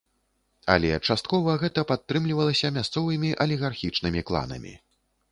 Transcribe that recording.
Але часткова гэта падтрымлівалася мясцовымі алігархічнымі кланамі.